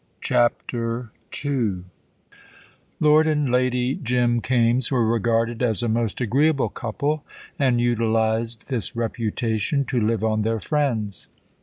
CHAPTER II Lord And Lady Jim Kaimes were regarded as a most agreeable couple, and utilised this reputation to live on their friends.